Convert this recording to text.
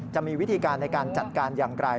จะมีวิธีการในการจัดการอย่างไร